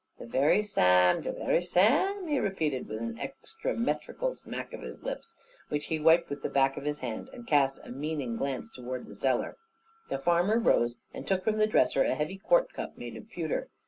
"The very sa am, the very sa am," he repeated with an extrametrical smack of his lips, which he wiped with the back of his hand, and cast a meaning glance towards the cellar. The farmer rose, and took from the dresser a heavy quart cup made of pewter.